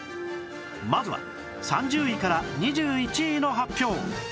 まずは３０位から２１位の発表